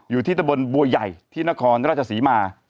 อยู่ที่ตะบนบัวใหญ่ที่นครราชศรีมา